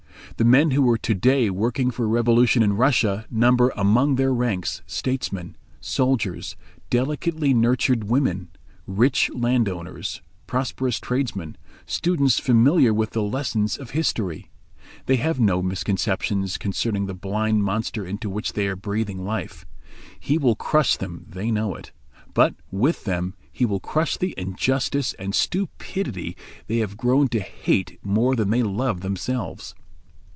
The men who are to day working for revolution in Russia number among their ranks statesmen, soldiers, delicately nurtured women, rich landowners, prosperous tradesmen, students familiar with the lessons of history. They have no misconceptions concerning the blind Monster into which they are breathing life. He will crush them, they know it; but with them he will crush the injustice and stupidity they have grown to hate more than they love themselves.